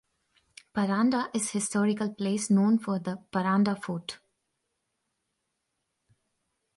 Paranda is historical place known for the Paranda Fort.